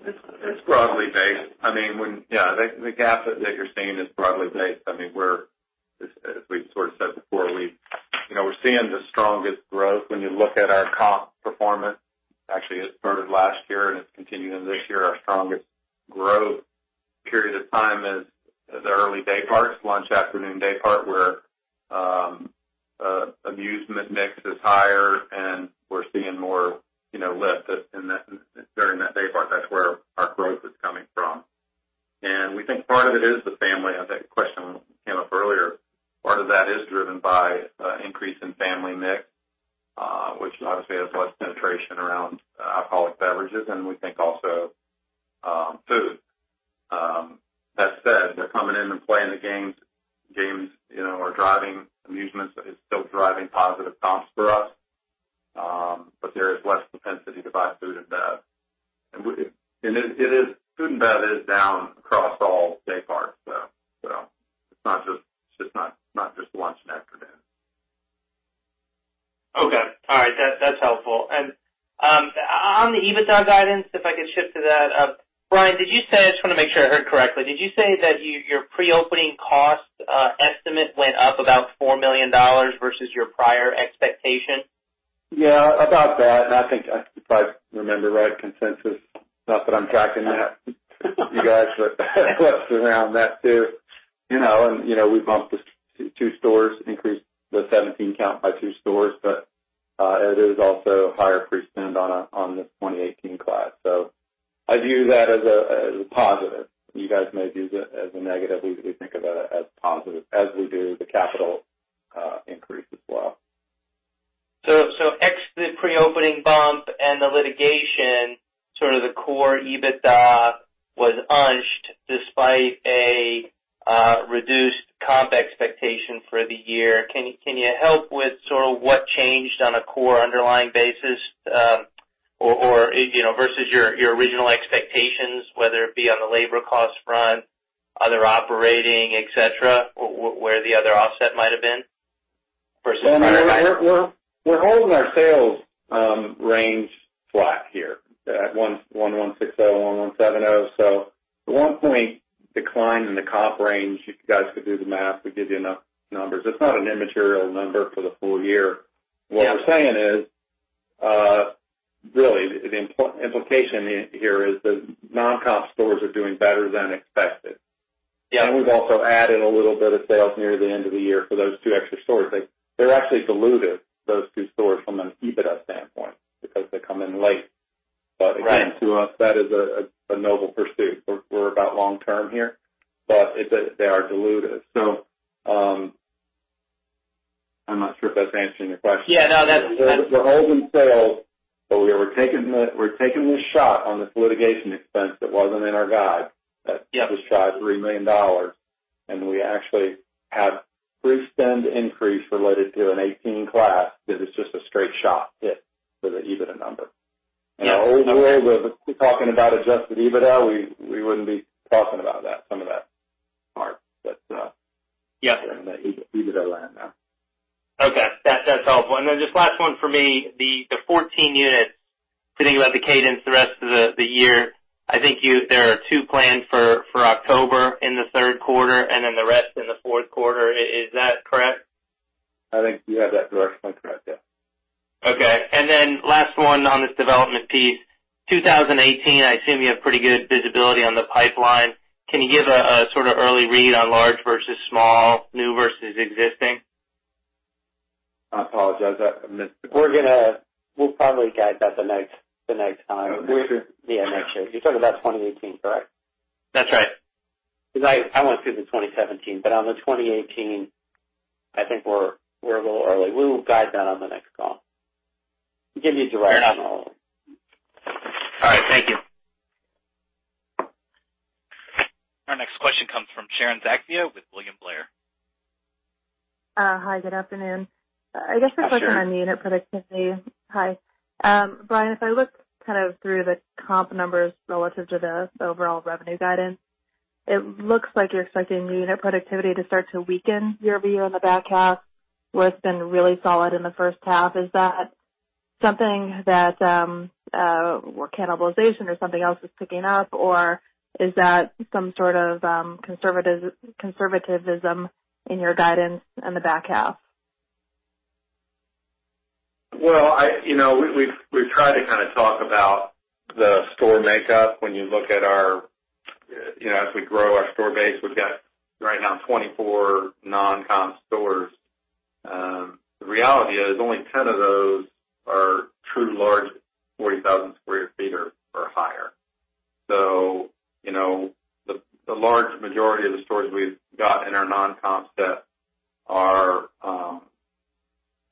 It's broadly based. The gap that you're seeing is broadly based. As we've sort of said before, we're seeing the strongest growth when you look at our comp performance. Actually, it started last year, and it's continuing this year. Our strongest growth period of time is the early day parts, lunch, afternoon, day part, where amusement mix is higher and we're seeing more lift during that day part. That's where our growth is coming from. We think part of it is the family. I think the question came up earlier. Part of that is driven by an increase in family mix, which obviously has less penetration around alcoholic beverages and we think also food. That said, they're coming in and playing the games, are driving amusements. It's still driving positive comps for us. There is less propensity to buy food and bev. Food and bev is down across all day parts, it's not just lunch and afternoon. Okay. All right. That's helpful. On the EBITDA guidance, if I could shift to that. Brian, I just want to make sure I heard correctly. Did you say that your pre-opening cost estimate went up about $4 million versus your prior expectation? Yeah. About that. I think if I remember right, consensus, not that I'm tracking that you guys, but close around that, too. We bumped the two stores, increased the 17 count by two stores, but it is also higher pre-spend on this 2018 class. I view that as a positive. You guys may view that as a negative. We think about it as positive as we do the capital increase as well. Ex the pre-opening bump and the litigation, sort of the core EBITDA was unched despite a reduced comp expectation for the year. Can you help with sort of what changed on a core underlying basis? Versus your original expectations, whether it be on the labor cost front, other operating, et cetera, where the other offset might have been versus prior guidance? We're holding our sales range flat here at 1,160, 1,170. The one point decline in the comp range, you guys could do the math. We give you enough numbers. It's not an immaterial number for the full year. Yeah. What we're saying is. The implication here is the non-comp stores are doing better than expected. Yeah. We've also added a little bit of sales near the end of the year for those two extra stores. They're actually dilutive, those two stores, from an EBITDA standpoint, because they come in late. Right. Again, to us, that is a noble pursuit. We're about long term here, but they are dilutive. I'm not sure if that's answering your question. Yeah, no, that's. We're holding sales, we're taking this shot on this litigation expense that wasn't in our guide. Yeah That was shy $3 million, we actually had pre-spend increase related to a 2018 class that is just a straight shot hit to the EBITDA number. Yeah. In an old world, we're talking about adjusted EBITDA, we wouldn't be talking about some of that part. Yeah We're in the EBITDA land now. Okay. That's helpful. Just last one from me, the 14 units, thinking about the cadence the rest of the year, I think there are two planned for October in the third quarter, the rest in the fourth quarter. Is that correct? I think you have that directionally correct, yeah. Okay. Last one on this development piece. 2018, I assume you have pretty good visibility on the pipeline. Can you give a sort of early read on large versus small, new versus existing? I apologize. We'll probably guide that the next time. Oh, next year? Yeah, next year. You're talking about 2018, correct? That's right. I went through the 2017, on the 2018, I think we're a little early. We will guide that on the next call. Give me a direct on all of it. All right. Thank you. Our next question comes from Sharon Zackfia with William Blair. Hi, good afternoon. Sure. I guess my question on the unit productivity. Hi, Brian, if I look kind of through the comp numbers relative to the overall revenue guidance, it looks like you're expecting the unit productivity to start to weaken year-over-year in the back half, where it's been really solid in the first half. Is that something that, well, cannibalization or something else is picking up, or is that some sort of conservatism in your guidance in the back half? Well, we've tried to kind of talk about the store makeup. When you look at our, as we grow our store base, we've got right now 24 non-comp stores. The reality is only 10 of those are true large 40,000 sq ft or higher. The large majority of the stores we've got in our non-comp set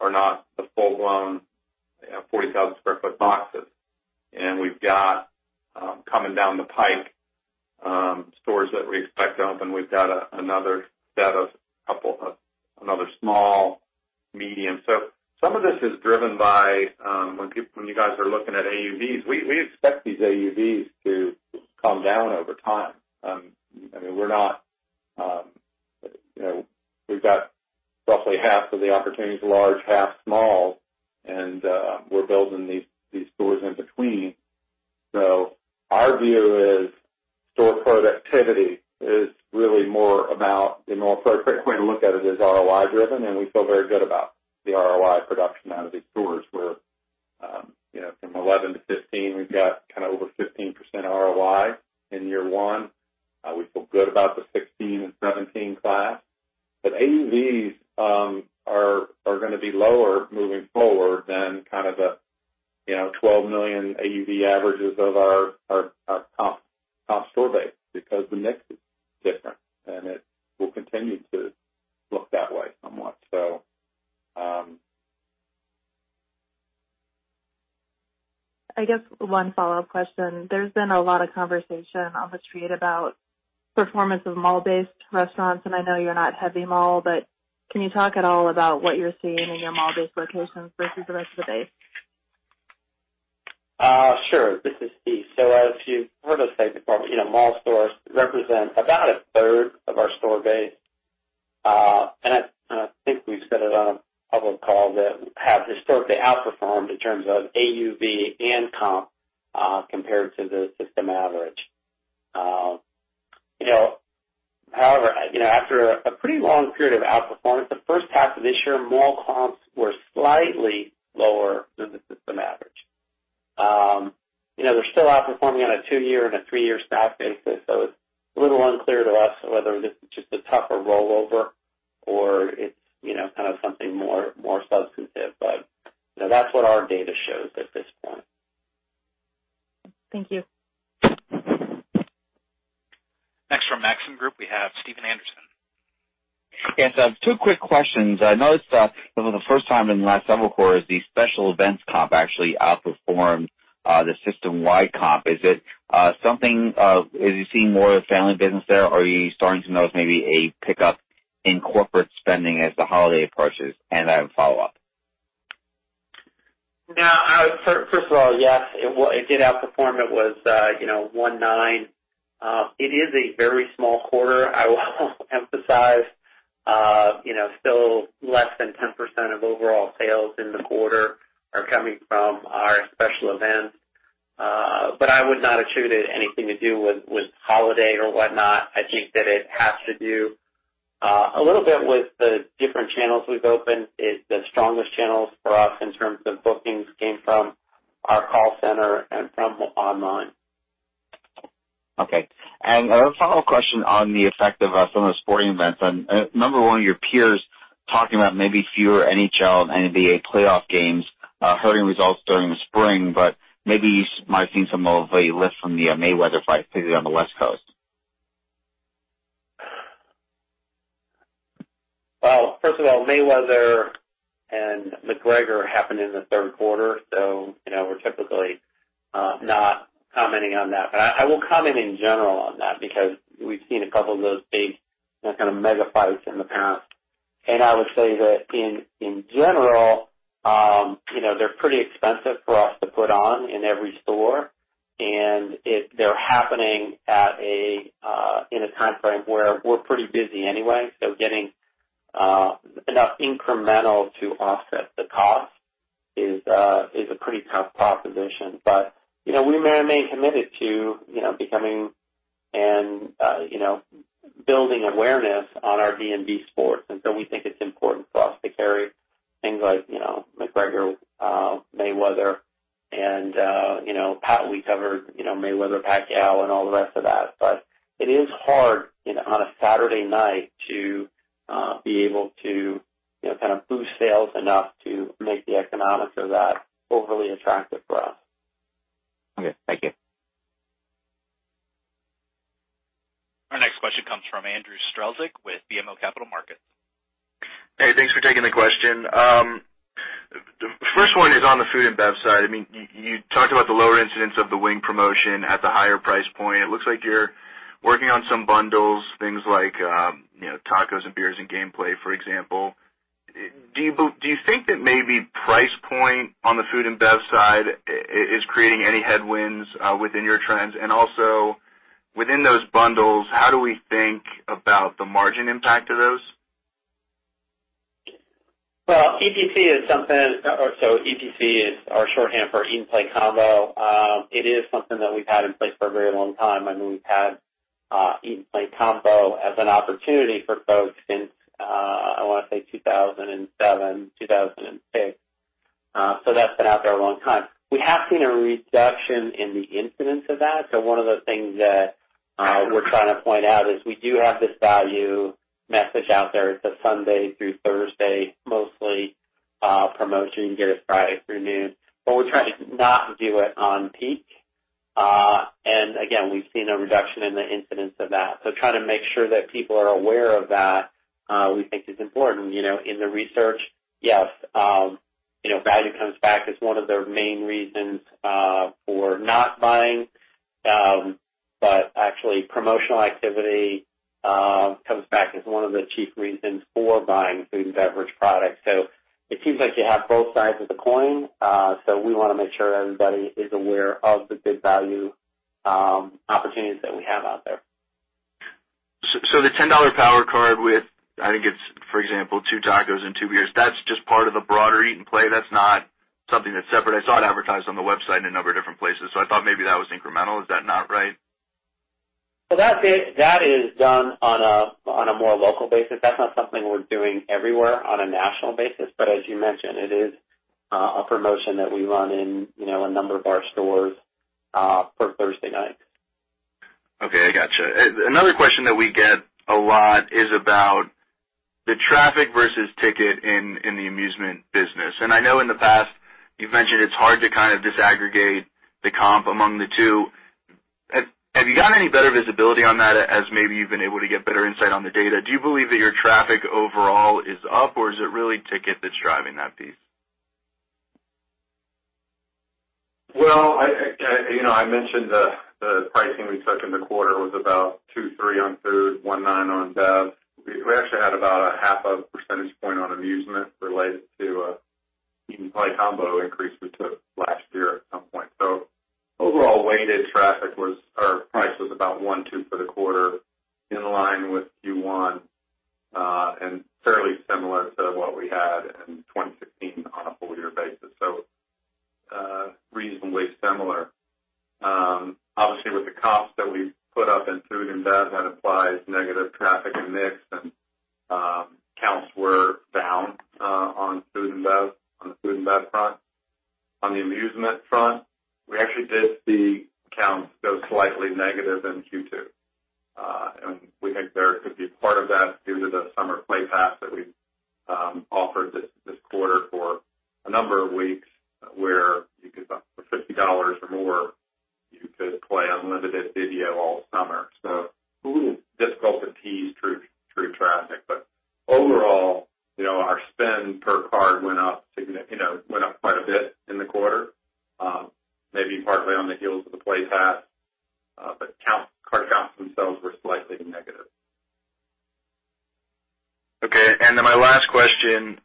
are not the full-blown 40,000 sq ft boxes. We've got, coming down the pipe, stores that we expect to open. We've got another set of a couple of another small, medium. Some of this is driven by, when you guys are looking at AUVs, we expect these AUVs to come down over time. We've got roughly half of the opportunities large, half small, and we're building these stores in between. Our view is store productivity is really more about, the more appropriate way to look at it is ROI driven. We feel very good about the ROI production out of these stores where from 2011 to 2015, we've got kind of over 15% ROI in year one. We feel good about the 2016 and 2017 class. AUVs are going to be lower moving forward than kind of the $12 million AUV averages of our comp store base because the mix is different, and it will continue to look that way somewhat. I guess one follow-up question. There's been a lot of conversation on the street about performance of mall-based restaurants, I know you're not heavy mall, but can you talk at all about what you're seeing in your mall-based locations versus the rest of the base? Sure. This is Steve. As you've heard us say before, mall stores represent about a third of our store base. I think we've said it on a public call that have historically outperformed in terms of AUV and comp compared to the system average. However, after a pretty long period of outperformance, the first half of this year, mall comps were slightly lower than the system average. They're still outperforming on a two-year and a three-year stack basis, so it's a little unclear to us whether this is just a tougher rollover or it's kind of something more substantive. That's what our data shows at this point. Thank you. Next from Maxim Group, we have Stephen Anderson. Yes. Two quick questions. I noticed that for the first time in the last several quarters, the special events comp actually outperformed the system-wide comp. Are you seeing more of the family business there? Are you starting to notice maybe a pickup in corporate spending as the holiday approaches? I have a follow-up. First of all, yes, it did outperform. It was 1.9. It is a very small quarter, I will emphasize. Still less than 10% of overall sales in the quarter are coming from our special events. I would not attribute it anything to do with holiday or whatnot. I think that it has to do a little bit with the different channels we've opened. The strongest channels for us in terms of bookings came from our call center and from online. Okay. A follow-up question on the effect of some of the sporting events. A number of one of your peers talking about maybe fewer NHL and NBA playoff games hurting results during the spring, but maybe you might have seen some of a lift from the Mayweather fight, particularly on the West Coast. First of all, Mayweather and McGregor happened in the third quarter. We're typically not commenting on that. I will comment in general on that because we've seen a couple of those big mega fights in the past. I would say that in general, they're pretty expensive for us to put on in every store. They're happening in a timeframe where we're pretty busy anyway. Getting enough incremental to offset the cost is a pretty tough proposition. We remain committed to becoming and building awareness on our D&B Sports. We think it's important for us to carry things like McGregor, Mayweather, and we covered Mayweather, Pacquiao, and all the rest of that. It is hard on a Saturday night to be able to kind of boost sales enough to make the economics of that overly attractive for us. Okay. Thank you. Our next question comes from Andrew Strelzik with BMO Capital Markets. Hey, thanks for taking the question. The first one is on the food and bev side. You talked about the lower incidence of the wing promotion at the higher price point. It looks like you're working on some bundles, things like tacos and beers and gameplay, for example. Do you think that maybe price point on the food and bev side is creating any headwinds within your trends? Also within those bundles, how do we think about the margin impact of those? EPC is our shorthand for Eat & Play Combo. It is something that we've had in place for a very long time. We've had Eat & Play Combo as an opportunity for folks since, I want to say 2007, 2006. That's been out there a long time. We have seen a reduction in the incidence of that. One of the things that we're trying to point out is we do have this value message out there. It's a Sunday through Thursday, mostly promotion. You can get a Friday through noon, but we're trying to not do it on peak. Again, we've seen a reduction in the incidence of that. Trying to make sure that people are aware of that, we think is important. In the research, yes, value comes back as one of their main reasons for not buying. Actually, promotional activity comes back as one of the chief reasons for buying food and beverage products. It seems like you have both sides of the coin. We want to make sure everybody is aware of the good value opportunities that we have out there. The $10 Power Card with, I think it's, for example, two tacos and two beers, that's just part of the broader Eat & Play. That's not something that's separate. I saw it advertised on the website in a number of different places, I thought maybe that was incremental. Is that not right? That is done on a more local basis. That's not something we're doing everywhere on a national basis. As you mentioned, it is a promotion that we run in a number of our stores for Thursday nights. Okay, I got you. Another question that we get a lot is about the traffic versus ticket in the amusement business. I know in the past you've mentioned it's hard to kind of disaggregate the comp among the two. Have you got any better visibility on that as maybe you've been able to get better insight on the data? Do you believe that your traffic overall is up, or is it really ticket that's driving that piece? Well, I mentioned the pricing we took in the quarter was about 2.3 on food, 1.9 on bev. We actually had about a half a percentage point on amusement related to Eat & Play Combo increase we took last year at some point. Overall weighted traffic was our price was about 1.2 for the quarter in line with Q1 and fairly similar to what we had in 2016 on a full year basis. Reasonably similar. Obviously, with the costs that we put up in food and bev, that applies negative traffic and mix, and counts were down on the food and bev front. On the amusement front, we actually did see counts go slightly negative in Q2. We think there could be part of that due to the summer play pass that we offered this quarter for a number of weeks, where for $50 or more, you could play unlimited video all summer. A little difficult to tease true traffic. Overall, our spend per card went up quite a bit in the quarter, maybe partly on the heels of the play pass. Card counts themselves were slightly negative. Okay. My last question,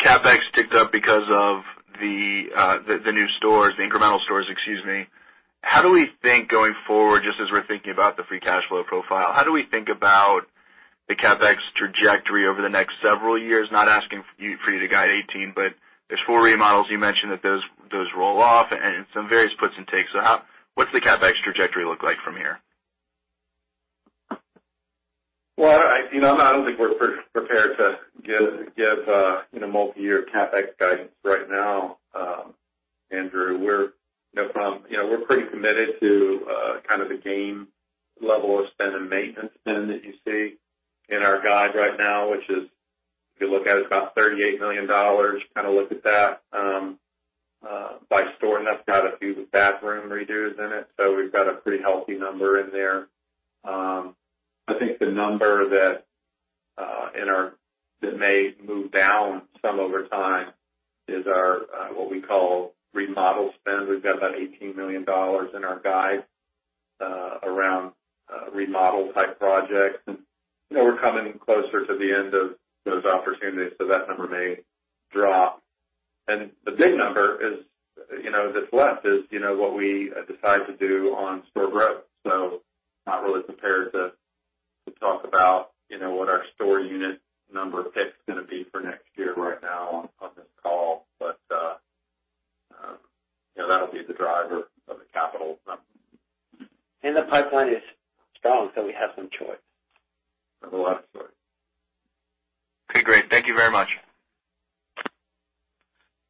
CapEx ticked up because of the new stores, the incremental stores, excuse me. How do we think going forward, just as we're thinking about the free cash flow profile, how do we think about the CapEx trajectory over the next several years? Not asking for you to guide 18, but there's four remodels you mentioned that those roll off and some various puts and takes. What's the CapEx trajectory look like from here? Well, I don't think we're prepared to give multi-year CapEx guidance right now, Andrew. We're pretty committed to kind of the game level of spend and maintenance spend that you see in our guide right now, which if you look at, it's about $38 million. Kind of look at that by store, and that's got a few of the bathroom redos in it. We've got a pretty healthy number in there. I think the number that may move down some over time is our what we call remodel spend. We've got about $18 million in our guide around remodel type projects. We're coming closer to the end of those opportunities, that number may drop. The big number that's left is what we decide to do on store growth. Not really prepared to talk about what our store unit number pick is going to be for next year right now on this call, but that'll be the driver of the capital spend. The pipeline is strong, so we have some choice. We have a lot of choice. Okay, great. Thank you very much.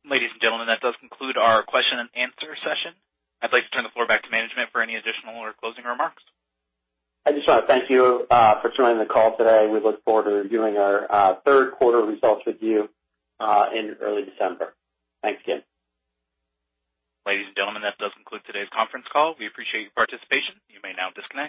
Ladies and gentlemen, that does conclude our question and answer session. I'd like to turn the floor back to management for any additional or closing remarks. I just want to thank you for joining the call today. We look forward to reviewing our third quarter results with you in early December. Thanks again. Ladies and gentlemen, that does conclude today's conference call. We appreciate your participation. You may now disconnect.